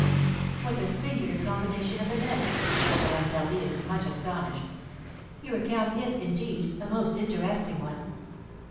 "What a singular combination of events!" said Madame d'Harville, much astonished: "Your account is, indeed, a most interesting one."